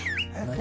何？